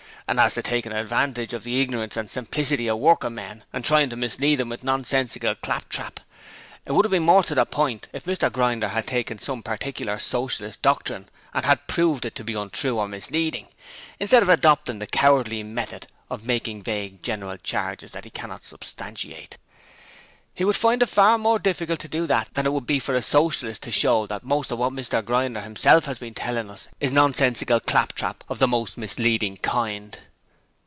And as to taking advantage of the ignorance and simplicity of working men and trying to mislead them with nonsensical claptrap, it would have been more to the point if Mr Grinder had taken some particular Socialist doctrine and had proved it to be untrue or misleading, instead of adopting the cowardly method of making vague general charges that he cannot substantiate. He would find it far more difficult to do that than it would be for a Socialist to show that most of what Mr Grinder himself has been telling us is nonsensical claptrap of the most misleading kind.